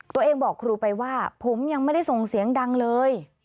ตัวเองบอกครูไปว่าผมยังไม่ได้ส่งเสียงดังเลย